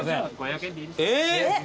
えっ！